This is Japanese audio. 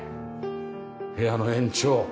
部屋の延長。